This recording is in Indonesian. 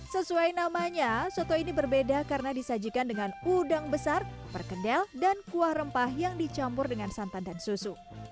sesuai namanya soto ini berbeda karena disajikan dengan udang besar perkedel dan kuah rempah yang dicampur dengan santan dan susu